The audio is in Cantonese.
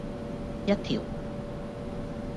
一條